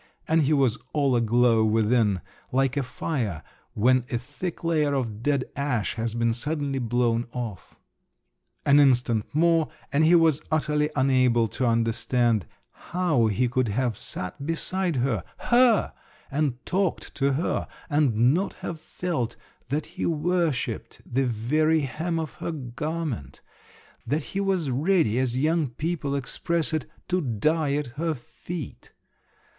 and he was all aglow within, like a fire when a thick layer of dead ash has been suddenly blown off. An instant more … and he was utterly unable to understand how he could have sat beside her … her!—and talked to her and not have felt that he worshipped the very hem of her garment, that he was ready as young people express it "to die at her feet."